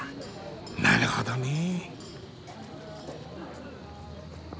なるほどねえ。